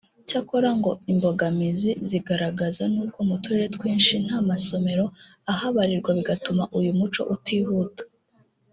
cyakora ngo imbogamizi zigaragaza nuko mu turere twinshi nta masomero ahabarirwa bigatuma uyu muco utihuta